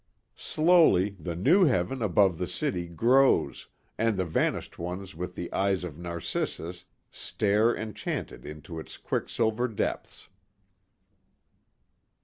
Slowly the new heaven above the city grows and the vanished ones with the eyes of Narcissus stare enchanted into its quicksilver depths.